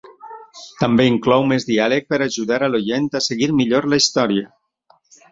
També inclou més diàleg per ajudar a l'oient a seguir millor la història.